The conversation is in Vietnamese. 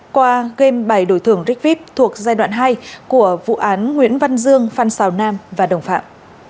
qua game bài đổi thưởng rigvip thuộc giai đoạn hai của vụ án nguyễn văn dương phan xào nam và đồng phạm